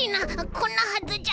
こんなはずじゃ。